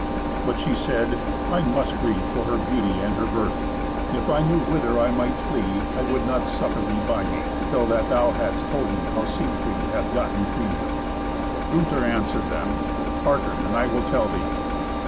But she said, "I must grieve for her beauty and her birth. If I knew whither I might flee, I would not suffer thee by me, till that thou hadst told me how Siegfried hath gotten Kriemhild." Gunther answered them, "Hearken, and I will tell thee.